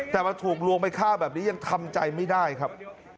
แต่มาถูกลวงไปฆ่าแบบนี้ยังทำใจไม่ได้ครับ